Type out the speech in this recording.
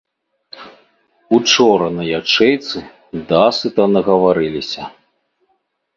Учора на ячэйцы дасыта нагаварыліся.